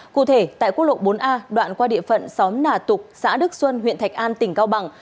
cụ thể tại quốc lộ bốn a đoạn qua địa phận xóm nà tục xã đức xuân huyện thạch an tỉnh cao bằng